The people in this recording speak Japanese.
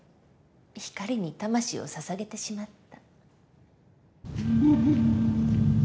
光に魂をささげてしまった。